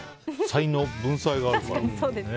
才能、文才があるから。